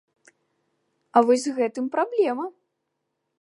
А вось з гэтым праблема!